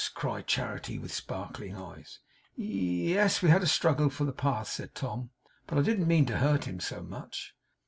cried Charity, with sparkling eyes. 'Ye yes. We had a struggle for the path,' said Tom. 'But I didn't mean to hurt him so much.